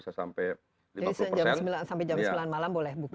jadi sampai jam sembilan malam boleh buka ya